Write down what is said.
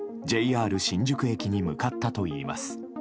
ＪＲ新宿駅に向かったといいます。